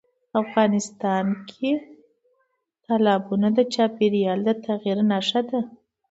افغانستان کې تالابونه د چاپېریال د تغیر نښه ده.